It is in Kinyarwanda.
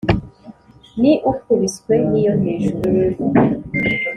Ni ukubiswe n’iyo hejuru